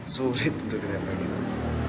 sulit untuk beri apa gitu